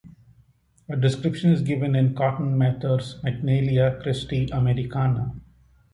A description is given in Cotton Mather's "Magnalia Christi Americana".